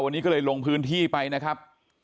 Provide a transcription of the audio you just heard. วันนี้ก็เลยลงพื้นที่ไปนะครับ